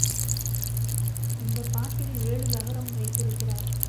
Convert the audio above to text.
இந்தப் பாட்டில் ஏழு ழகரம் வைத்திருக்கிறார்.